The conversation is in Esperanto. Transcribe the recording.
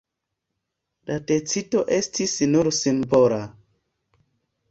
La decido estis nur simbola.